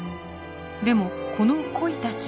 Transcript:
でもこのコイたち